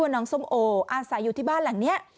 น้องส้มโออาศัยอยู่ที่บ้านหลังนี้